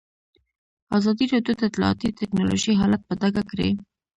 ازادي راډیو د اطلاعاتی تکنالوژي حالت په ډاګه کړی.